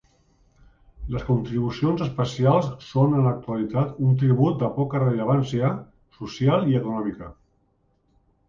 Les contribucions especials són en l'actualitat un tribut de poca rellevància social i econòmica.